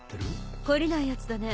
懲りないヤツだね。